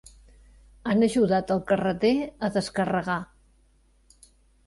Han ajudat el carreter a descarregar.